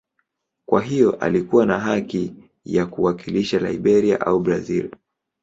Kwa hiyo alikuwa na haki ya kuwakilisha Liberia au Brazil.